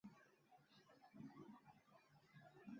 伸手不见五指的地方